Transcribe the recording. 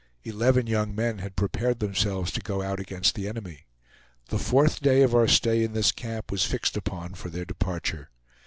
Eleven young men had prepared themselves to go out against the enemy. The fourth day of our stay in this camp was fixed upon for their departure.